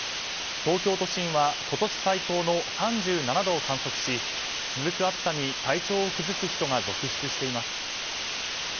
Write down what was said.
東京都心は今年最高の３７度を観測し続く暑さに体調を崩す人が続出しています。